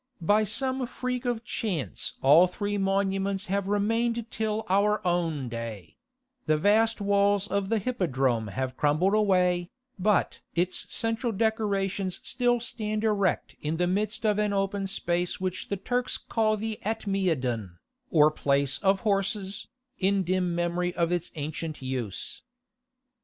By some freak of chance all three monuments have remained till our own day: the vast walls of the Hippodrome have crumbled away, but its central decorations still stand erect in the midst of an open space which the Turks call the Atmeidan, or place of horses, in dim memory of its ancient use.